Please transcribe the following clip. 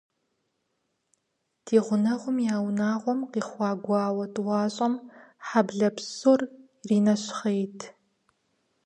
Ди гъунэгъум я унагъуэм къихъуа гуауэ тӏуащӏэм хьэблэ псор иринэщхъейт.